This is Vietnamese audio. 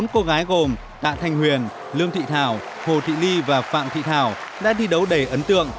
bốn cô gái gồm tạ thanh huyền lương thị thảo hồ thị ly và phạm thị thảo đã thi đấu đầy ấn tượng